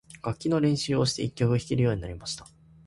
楽器の練習をして、一曲弾けるようになりました。